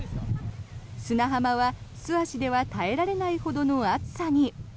砂浜は、素足では耐えられないほどの熱さに。